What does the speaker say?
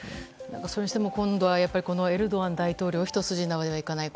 それにしても今度はエルドアン大統領が一筋縄ではいかない。